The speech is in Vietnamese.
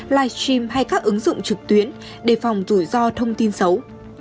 live stream hay các ứng dụng trực tuyến để phòng rủi ro thông tin xấu